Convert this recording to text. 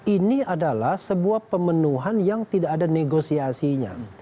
ini adalah sebuah pemenuhan yang tidak ada negosiasinya